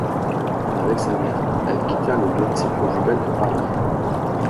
Avec sa mère, elles quittèrent le domicile conjugal pour Paris.